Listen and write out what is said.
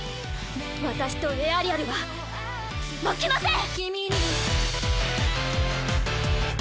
私とエアリアルは負けません！